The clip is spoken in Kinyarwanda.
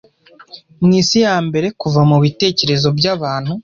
Mwisi yambere kuva mubitekerezo byabantu